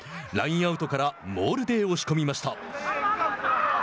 ラインアウトからモールで押し込みました。